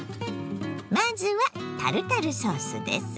まずはタルタルソースです。